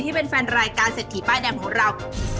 ที่เป็นแฟนรายการเศรษฐีป้ายแดงของเรา